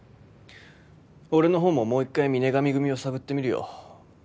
俺の方ももう一回峰上組を探ってみるよ。